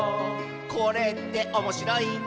「これっておもしろいんだね」